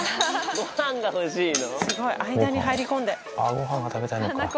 ごはんが食べたいのか。